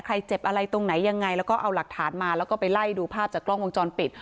เจ็บอะไรตรงไหนยังไงแล้วก็เอาหลักฐานมาแล้วก็ไปไล่ดูภาพจากกล้องวงจรปิด